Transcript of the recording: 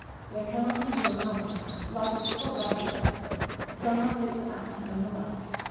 They cannot endure company, light, or life itself, some unfit for action, and the like.